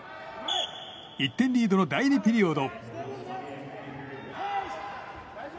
１点リードの第２ピリオド。